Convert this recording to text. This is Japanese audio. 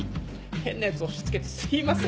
「変なやつ押し付けてすいません」